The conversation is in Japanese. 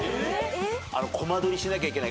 こま撮りしなきゃいけない。